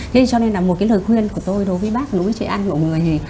thế cho nên là một cái lời khuyên của tôi đối với bác đối với trẻ ăn của người này